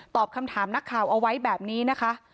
ตอบคำถามนักข่าวเอาไว้แบบนี้นะคะ